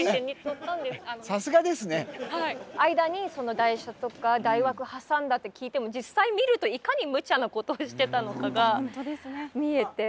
間にその台車とか台枠挟んだって聞いても実際見るといかにむちゃなことをしてたのかが見えて。